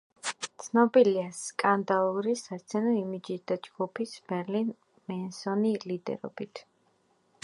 ცნობილია სკანდალური სასცენო იმიჯით და ჯგუფის „მერილინ მენსონი“ ლიდერობით.